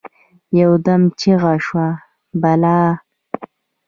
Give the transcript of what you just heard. يودم چیغه شوه: «بلا!»